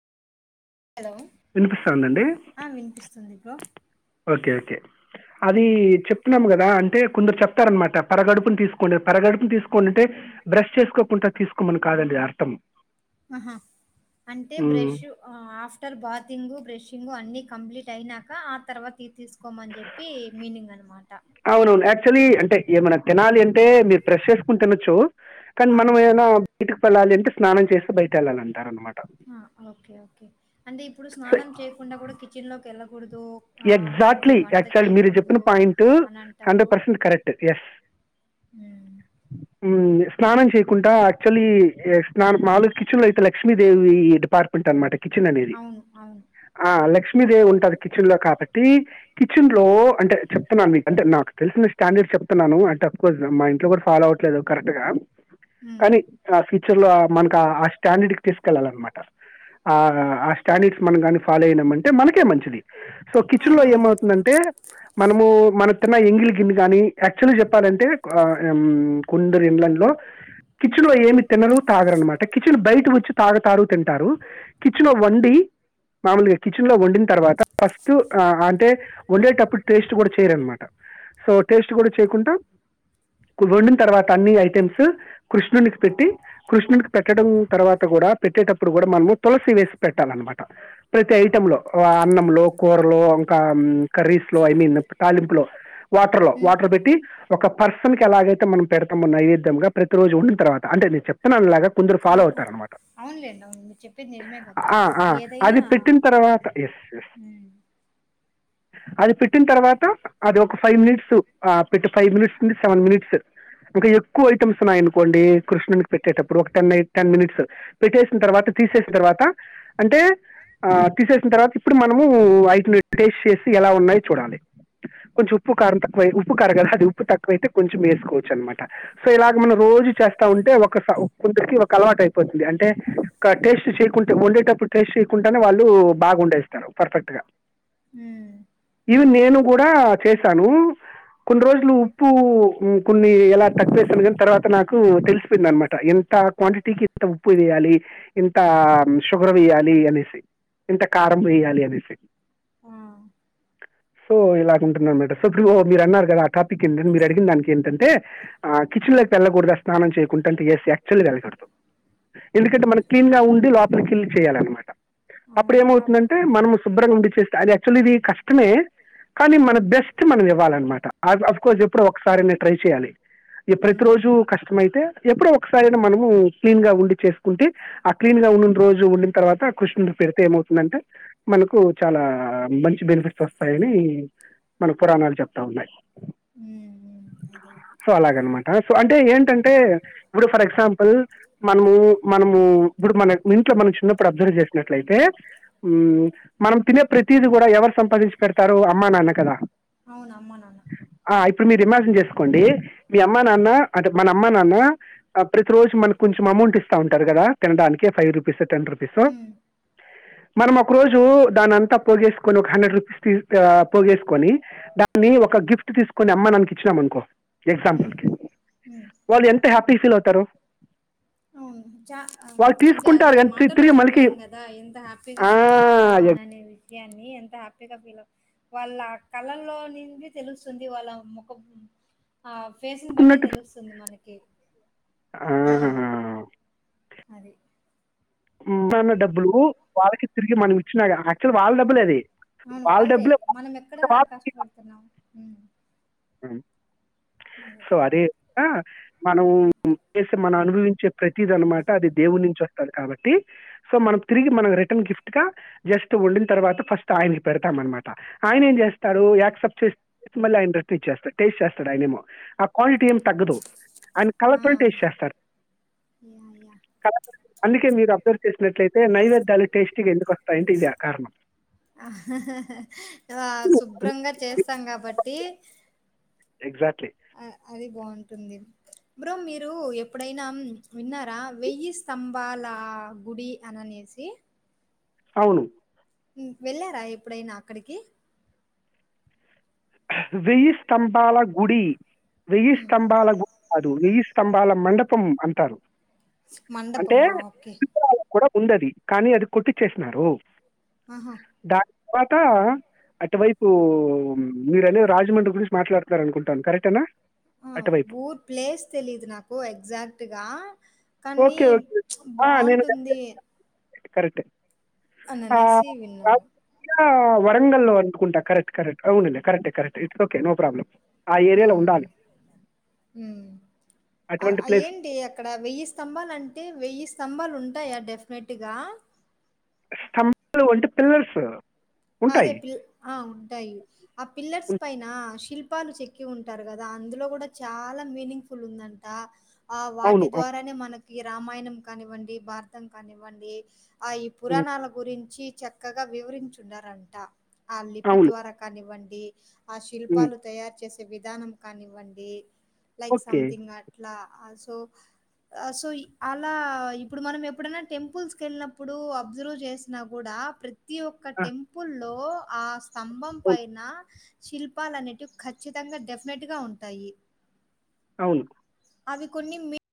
Hello వినిపిస్తుందండి ఆ వినిపిస్తుంది బ్రో ఓకే ఓకే అది ఉమ్, చెప్తున్నాము కదా అంటే కొందరు చెప్తారనమాట పరగడుపున తీసుకోండి పరగడుపున తీసుకోండంటే బ్రష్ చేసుకోకుంటా తీసుకోమని కాదండి అర్థం ఆహా అంటే ఉమ్. బ్రష్ ఆఫ్టర్ బాతింగ్ బ్రష్షింగ్ అన్ని కంప్లీట్ అయినాక ఆ తర్వాతి తీస్ కోమని చెప్పి మీనింగ్ అనమా అవును యాక్ చువలీ అంటే ఏమైనా తినాలి అన్ టే మీరు బ్రెష్ చేసుకొని తినొచ్చు కానీ ఆ మనం ఏమన్నా ఇటుకి వెళ్ళాలి అంటే స్నానం చేసి బయటెళ్ళాలంటారనమా ఆ ఓకే ఓకే అంటే ఇప్పుడు సో స్నానం చేయ్యకుండా కిచెన్ లోకి ఎళ్ళ ఎగ్జాక్ట్లీ యాక్చువల్ మీరు చెప్పిన చేయకూడదు పాయింట్ అని అంటారు hundred percent correct yes um స్నానం చెయ్ కుంటా యాక్చువల్లీ స్నాన మామూలు కిచెన్ లో అయితే లక్ష్మీదేవి డిపార్ట్మెంట్ అనమాట కిచెన్ అనేది అవును అవును ఆ లక్ష్మీదేవి ఉంటంది కి కచెన్ లో కాబట్టి కిచెన్ లో అంటే చెప్తున్నాను మీకు అంటే నాక్ తెలిసిన స్టాండెడ్స్ చెప్తున్నాను అంటే అఫ్ కోర్స్ మా ఇంట్లో కూడా ఫాలో అవట్లేదు కరెక్ట్ గా ఉమ్ కానీ ట్రాఫి లో మనకు ఆ స్టాండర్డ్ కి తీసుకెళ్ళాలన్నమాట ఆ స్టాండడ్స్ మనం కానీ ఫాలో అయినామంటే మనకే మంచిది సో కిచెన్ లో అవునవును ఏమవుతుందంటే మనము మన న్నా ఎంగిలి గింది గాని యాక్చువల్ చెప్పాలంటే కుండరు ఎండ్ల లో కిచెన్ లో ఏమి తినరు తాగరరునమాట కిచెన్ బయట వచ్చి తాగతారు తింటారు కిచెన్ లో వండి మామూలుగా కిచెన్ లో వండిన తర్వాత ఫస్ట్ అంటే వండేటప్పుడు టేస్ట్ కూడా చేయరనమాట సో టేస్ట్ కూడా చేయకుండా వండిన తర్వాత అన్ని ఐటమ్స్ కృష్ణునికి పెట్టి కృష్ణుడికి పెట్టడం తర్వాత కూడా పెట్టేటప్పుడు కూడా మనము తులసి వేసి పెట్టాలన్నమాట ప్రతి ఐటమ్ లో అన్న లో కూరలో ఇంకా కర్రీస్ లో ఐ మీన్ తాలింపులో వాటర్ లో ఉమ్ వాటర్ పెట్టి ఒక పర్స్ సున్ కి ఎలాగైతే మనం పెడతామె నైవేద్యంగా ప్రతిరోజు వండిన్ తర్వాత అంటే నేను చెప్తున్నానిలాగా కొందరు అ ఫాలో అవుతారనమాట అవునులేండి అవును మీరు చెప్పేది నిజమే కదా ఆ ఆ ఏదైనా అది పెట్టిన తర్వాత ఎస్ ఎస్ ఉమ్ అది పెట్టిన తర్వాత అది ఒక ఫైవ్ మినిట్స్ ఆ పెట్టి ఫైవ్ మినిట్స్ నుండి సెవెన్ మినిట్స్ ఇంకా ఎక్కువ ఐటమ్స్ ఉన్నాయి అనుకోండి కృష్ణునీకి పెట్టేటప్పుడు ఒక టెన్ టెన్ మినిట్స్ పెట్టేసిన తర్వాత తీసేసిన తర్వాత అంటే ఆ తీసేసిన తర్వాత ఇప్పుడు మన నువ్వు వాటిని టేస్ట్ చేసి ఎలా ఉన్నాయో చూడాలి కొంచెం ఉప్పు కారం తక్కువ ఉప్పు కారు కదా అది ఉప్పు తక్కువైతే కొంచెం వేసుకోవచ్చు అనమాట సో ఇలాగ మనం హ్మ్. రోజు చేస్తా ఉంటే అంటే ఒక కొందరికి ఒక అలవాటు అయిపోతుంది అంటే టేస్ట్ చేయకుంటే వండేటప్పుడు టేస్ట్ చేయకుండానే వాళ్ళు బాగా వండేస్తారు పర్ఫెక్ట్ గా హ్మ్. ఇవి నేను కూడా చేశాను కొన్ని రోజులు ఉప్పు కొన్ని ఎలా తక్కువేసాను కానీ తర్వాత నాకు తెలిసిపోయింది అనమాట ఎంత క్వాంటిటీకి ఎంత ఉప్పు వేయాలి ఇంత షుగర్ వేయ్యాలి అనేసి ఇంత కారం వేయాలి అని ఆ! సో ఇలాంటున్నారు మేడం సో ఇప్పుడు మీరు అన్నారు కదా ఆ టాపిక్ ఏంటంటే మీరు అడిగిన దానికి ఏంటంటే కిచెన్లోకి వెళ్ళకూడదా స్నానం చేయకుంటే అంటే ఎస్ యాక్చువల్గా వెళ్ళకూడదు ఎందుకంటే మనం క్లీన్గా ఉండి లోపలికెళ్ళి చేయాలన్నమాట అవును. అప్ అప్పుడేమవుతుందంటే మనము ఉండి చేస్త అది యాక్చువల్లీ ఇది కష్టమే కానీ మన బెస్ట్ మన బెస్ట్ మనం ఇవ్వాలన్నమాట అఫ్కోర్స్ ఎప్పుడో ఒకసారి నేను ట్రై చేయాలి హ్మ్. ప్రతిరోజు కష్టమైతే ఎప్పుడో ఒకసారైనా మనము క్లీన్ గా ఉండి చేసుకుంటే ఆ క్లీన్ గా ఉండిన రోజు ఉండిన తర్వాత కృష్ణుకీ పెడితే ఏమవుతుందంటే మనకు చాలా మంచి బెనిఫిట్స్ వస్తాయని మన పురాణాలు చెప్తా ఉన్నాయి హ్మ్. హ్మ్. అదే. అదే. సో అలాగ అనమాట సో అంటే ఏంటంటే ఇప్పుడు ఫర్ ఎగ్జాంపుల్ మనము మనము ఇప్పుడు మన మనం తినే ప్రతిదీ కూడా ఎవరు సంపాదించి పెడతారు అమ్మా నాన్న కదా అవును. అమ్మ, నాన్న. ఇప్పుడు మీరు విమర్శం చేసుకోండి మీ అమ్మా నాన్న అంటే మన అమ్మా నాన్న ప్రతి రోజు మన కొంచం అమౌంట్ ఇస్తూ ఉంటారు కదా తినడానికి ఫైవ్ రూపీస్ టెన్ రూపీసో హ్మ్. మనం ఒకరోజు దానింతా పోగేసుకొని ఒక హండ్రెడ్ రూపీస్ తీ పోగేసుకొని దాన్ని ఒక గిఫ్ట్ తీసుకొని అమ్మ నానికి ఇచ్చినాంమనుకో హ్మ్. ఎగ్జాంపుల్కి హ్మ్. వాళ్ళు ఎంత హ్యాపీ ఎం ఫీల్ అవుతారు అవును చ వాళ్ళు అంటే అది తీసుకుంటారు కానీ తి- మాటల్లో తిరిగి మళ్ళీ చెప్పలేం కదా ఎంత హ్యాపీగా ఫీల్ ఔతారు అనినేవి ద్యాన్ని ఎంత హ్యాపీగా ఫీలౌ వాళ్ళ కళలో నుండి తెలుస్తుంది వాళ్ళ ముఖం ఆ ఫేస్ని బట్టే ఎక్కున్నట్టు తెలుస్తుంది మనకి ఆ అది మన్న డబ్బులు వాళ్ళకి తిరిగి మనం ఇచ్చినా యాక్చువల్ వాళ్ళ డబ్బులేవి ఔన్ వాల్దే మనం ఎక్కడా కష్టపడ్తున్నం హమ్ ఉ స్వారి అ మనం చేస్ మనం అనుభవించే ప్రతీది అన్నమాట అది దేవున్నించి ఒస్తది కాబట్టి సో మనం తిరిగి మన రిటర్న్ గిఫ్ట్గా జస్ట్ వండిన తర్వాత ఫస్ట్ ఆయనకి పెడ్తం అన్మాట ఆయనెం జేస్తారు యాక్సెప్ట్ చేస్ మల అయిన్ర ఇచ్చేస్తడ్ టేస్ట్ జేస్తడు ఆయనేమో క్వాలిటీ ఏం తగ్గదు ఆయన కళ్లతోనే టేస్ట్ ఆ! జేస్తరు యా యా కల అందుకే మీరు అబ్జర్వ్ చేసినట్లయిత్ టే నైవేద్దాలు టేస్టీగా ఎందుకు ఒస్తాయంటే ఇద కారణం స్తం గాబట్టి ఎగ్జాట్ బాంటుంది బ్రో మీరు ఎప్పుడైనం విన్నారా వెయ్యి స్తంభాలా గుడి అననేసి ఔను మ్ వెళ్ళారా ఎప్పుడైన అక్కడికి హా వెయ్యి స్తంభాల గుడి వెయ్యి స్తంభాల గు దు వెయ్ స్తంభాల మండపం అంటారు మండపమా ఒకే కూడ ఉండది కానీ అది కొట్టిచ్చేస్నారు అహా తర్వాతా అటువైపూ మీరనేది రాజమండ్రి గురించి మాట్లాడుతారనుకుంటన్ కరెక్టేనా అ అటువైపు ఊర్ ప్లేస్ తెలీదు నాకు ఎగ్జాక్ట్ గా కన్ని ఓకే ప్చ్ బాంటుంది కరెట్టే అననేసి విన రాజకీయ ఆ వరంగల్లో అనుకుంట కరక్ట్ కరెక్ట్ అవునండి కరెక్టే correct it's okay no problem ఊమ్ ఊమ్ ఆ అటువంటి అ ప్లేస్ ఏంటి అక్కడ వెయ్యిస్ స్తంభాలంటే వెయ్యి స్తంభాలు ఉంటయా డెఫినెట్గా తెలుసు అదే పిల్ ఆ ఉంటాయి ఆ పిల్లర్స్ ఉం, పైన శిల్ ప్పాలు చెక్కి ఉంటారు కదా అందులో కూడా చాలా మీనింగ్ ఫుల్ ఉందంట ఆ వాటి అవును అవును ద్వారానే మనకు ఈ రామాయణం కానివ్వండి భారతం కానివ్వండి ఆ ఈ ఉం, పురాణాల గురించి చక్కగా వివరించు చున్నరంట ఆ లిపి అవును ద్వారా కానివ్వండి ఏజ్ ఆ శిల్పాలు తయారు చేస్త విదానం కానివ్వండి లైక్ ఓకే సంథింగ్ అట్లా అ సో అ సో అలా ఇప్పుడు మనం ఎప్పుడన్న టెంపుల్స్ కెల్ నప్పుడు అబ్జర్వ్ చేసిన కూడా ప్రతి ఓ టెంపుల్లో ఆస్ స్తంభం అవును పైన శిల్పాలు అనేటివి ఖచ్చితంగ డెఫినెట్ గా ఉంటాయి అవును అవి కొన్ని మి